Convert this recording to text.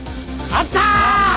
あった！